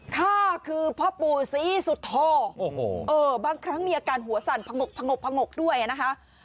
ข้าคือพ่อปู่สีสุโทบางครั้งมีอาการหัวสั่นผงกด้วยนะคะ